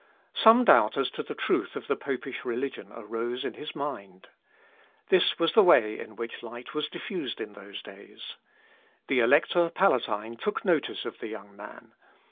Some doubt as to the truth of the popish religion arose in his mind. This was the way in which light was diffused in those days. The Elector Palatine took notice of the young man.